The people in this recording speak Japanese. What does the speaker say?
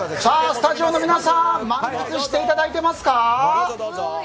スタジオの皆さん満喫していただいていますか？